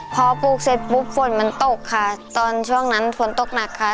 พอปลูกเสร็จปุ๊บฝนมันตกค่ะตอนช่วงนั้นฝนตกหนักค่ะ